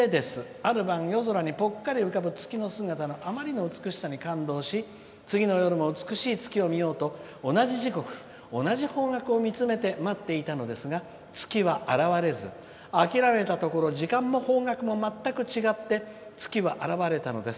ある晩、夜空にぽっかり浮かぶつきの姿のあまりの美しさに感動し次の夜も美しい月を見ようと同じ時刻同じ方角を見つめて待っていたのですが月は現れず諦めたところ時間も方角も全く違って月は現れたのです。